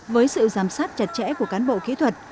với sự giám sát chặt chẽ của cán bộ kỹ thuật